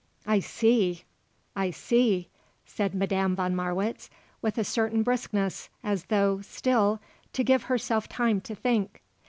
"I see; I see;" said Madame von Marwitz, with a certain briskness, as though, still, to give herself time to think.